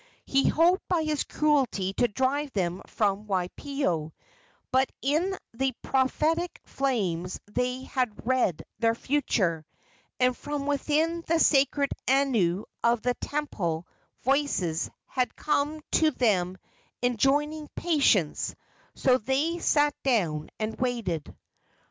He hoped by his cruelty to drive them from Waipio; but in the prophetic flames they had read their future, and from within the sacred anu of the temple voices had come to them enjoining patience; so they sat down and waited.